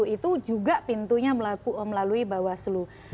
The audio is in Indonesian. itu juga pintunya melalui bawah slu